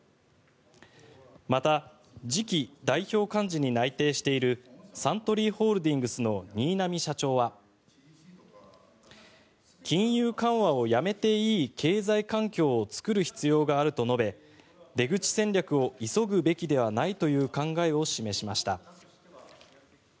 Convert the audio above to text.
また次期代表幹事に内定しているサントリーホールディングスの新浪社長は金融緩和をやめていい経済環境を作る必要があると述べ出口戦略を急ぐべきではないという考えを示しました。